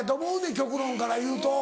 極論から言うと。